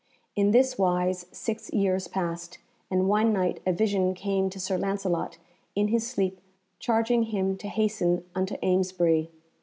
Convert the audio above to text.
In this wise six years passed, and one night a vision came to Sir Lancelot in his sleep charging him to hasten unto Amesbury.